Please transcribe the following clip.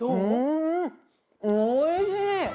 おいしい！